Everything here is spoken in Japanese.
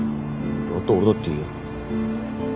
だったら俺だっていいよ。